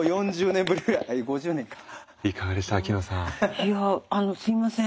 いやあのすいません